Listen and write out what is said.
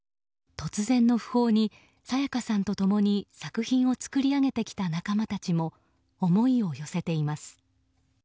突然の訃報に沙也加さんと共に作品を作り上げてきた仲間たちも思いを寄せています。